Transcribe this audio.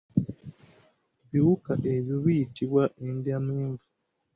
Ebiwuka ebyo biyitibwa endyamenvu.